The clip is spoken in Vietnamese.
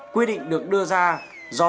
quyết định được đưa ra do